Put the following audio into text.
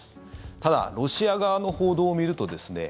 ただ、ロシア側の報道を見るとですね